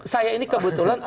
saya ini kebetulan